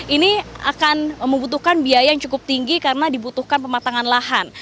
ini akan membutuhkan biaya yang cukup tinggi karena dibutuhkan pematangan lahan